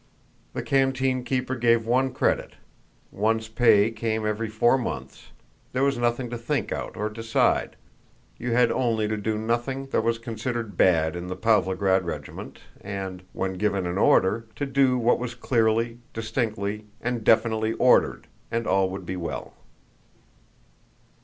The canteenkeeper gave one credit, one's pay came every four months, there was nothing to think out or decide, you had only to do nothing that was considered bad in the Pávlograd regiment and, when given an order, to do what was clearly, distinctly, and definitely ordered—and all would be well.